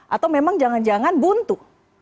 atau memang jangan jangan buntu